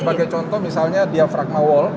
sebagai contoh misalnya diafragna wall